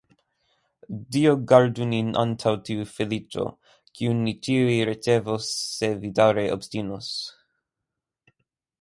Dio gardu nin antaŭ tiu feliĉo, kiun ni ĉiuj ricevos, se vi daŭre obstinos.